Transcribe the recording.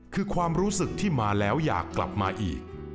คือความรู้สึกที่มาแล้วอยากกลับมาอีก